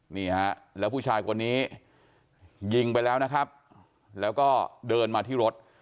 นี่ฮะแล้วผู้ชายคนนี้ยิงไปแล้วนะครับแล้วก็เดินมาที่รถ